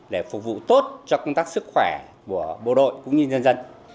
để phục vụ tốt cho công tác sức khỏe của bộ đội cũng như nhân dân